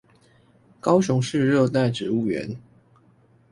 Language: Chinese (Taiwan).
高雄市熱帶植物園